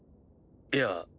いや。